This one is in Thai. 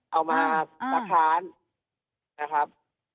เอามาตัดทานนะครับ